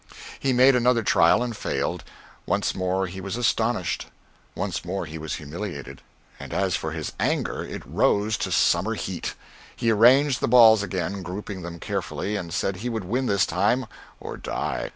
He made another trial and failed. Once more he was astonished; once more he was humiliated and as for his anger, it rose to summer heat. He arranged the balls again, grouping them carefully, and said he would win this time, or die.